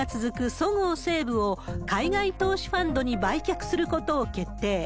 そごう・西武を海外投資ファンドに売却することを決定。